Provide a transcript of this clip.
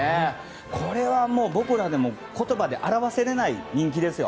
これは僕らでも言葉で表せられない人気ですよ。